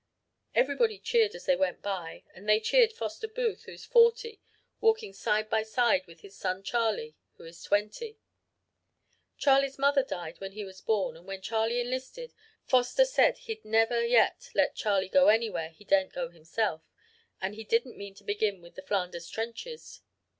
Everybody cheered as they went by, and they cheered Foster Booth, who is forty, walking side by side with his son Charley who is twenty. Charley's mother died when he was born, and when Charley enlisted Foster said he'd never yet let Charley go anywhere he daren't go himself, and he didn't mean to begin with the Flanders trenches.